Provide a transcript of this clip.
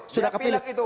sudah kepileg itu